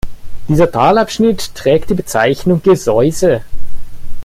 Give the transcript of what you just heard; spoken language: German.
Dieser Talabschnitt trägt die Bezeichnung „Gesäuse“.